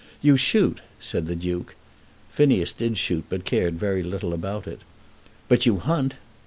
"You shoot," said the Duke. Phineas did shoot but cared very little about it. "But you hunt."